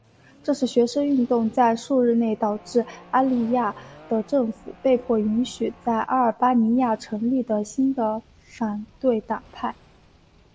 这次学生运动在数日内导致阿利雅的政府被迫允许在阿尔巴尼亚成立新的反对党派。